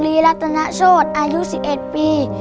รัตนโชธอายุ๑๑ปี